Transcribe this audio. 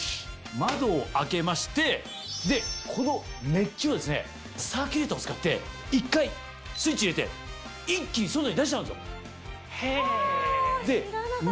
窓を開けましてこの熱気をサーキュレーターを使って１回スイッチ入れて一気に外に出しちゃうんですよ。は知らなかった。